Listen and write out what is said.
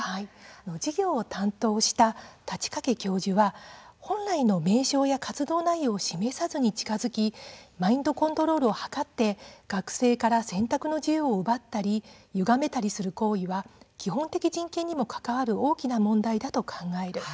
授業を担当した太刀掛教授は、本来の名称や活動内容を示さずに近づきマインドコントロールを図って学生から選択の自由を奪ったりゆがめたりする行為は基本的人権にも関わる大きな問題だと考える。